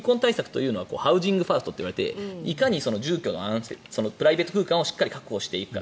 ハウジングファーストといわれていていかに住居のプライベート空間をしっかり確保していくか。